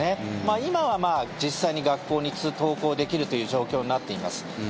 今は実際に学校に登校できるという状況になっています。